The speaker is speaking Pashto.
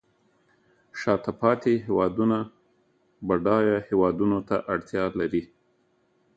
شاته پاتې هیوادونه بډایه هیوادونو ته اړتیا لري